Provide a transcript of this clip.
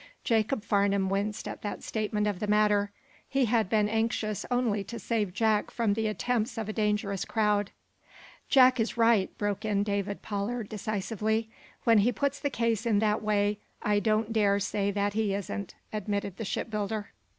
Jacob Farnum winced at that statement of the matter. He had been anxious only to save Jack from the attempts of a dangerous crowd. "Jack is right," broke in David Pollard, decisively. "When he puts the case in that way, I don't dare say that he isn't," admitted the shipbuilder.